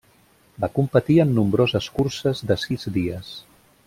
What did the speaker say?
Va competir en nombroses curses de sis dies.